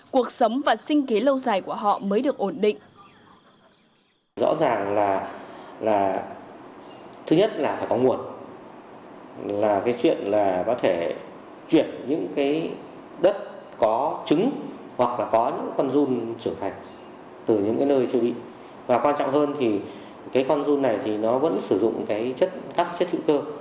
cuộc sống và sinh kế lâu dài của họ mới được ổn định